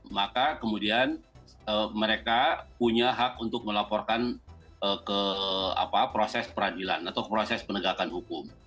maka kemudian mereka punya hak untuk melaporkan ke proses peradilan atau proses penegakan hukum